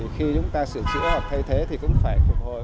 khi chúng ta sửa chữa hoặc thay thế thì cũng phải phục hồi